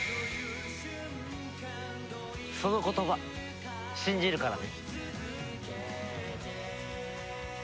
その言葉信じるからね。